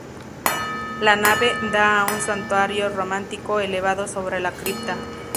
La nave da a un santuario románico elevado sobre la cripta.